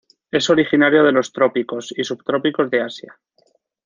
Es originario de los trópicos y subtrópicos de Asia.